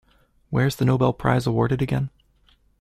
Where is the Nobel Prize awarded again?